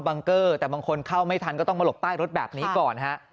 เกอร์แต่บางคนเข้าไม่ทันก็ต้องมาหลบใต้รถแบบนี้ก่อนฮะ